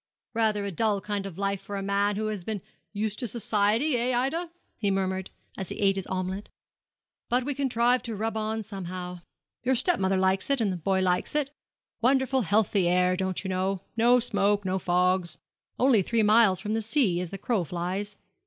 'Rather a dull kind of life for a man who has been used to society eh, Ida?' he murmured, as he ate his omelette; 'but we contrive to rub on somehow. Your step mother likes it, and the boy likes it wonderful healthy air, don't you know no smoke no fogs only three miles from the sea, as the crow flies.